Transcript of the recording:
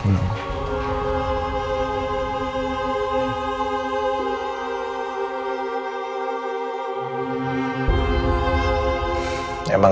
masih nanti juga pulang